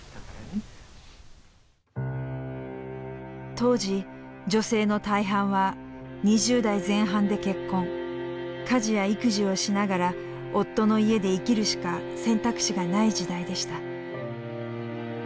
当時女性の大半は２０代前半で結婚家事や育児をしながら夫の家で生きるしか選択肢がない時代でした。